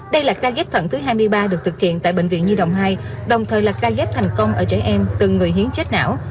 đây là ca ghép thận thứ hai mươi ba được thực hiện tại bệnh viện nhi đồng hai đồng thời là ca ghép thành công ở trẻ em từng người hiến chết não